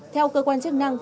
theo cơ quan chức năng